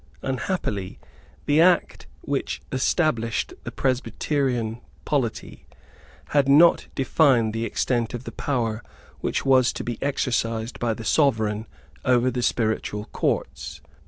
Unhappily, the Act which established the Presbyterian polity had not defined the extent of the power which was to be exercised by the Sovereign over the Spiritual Courts.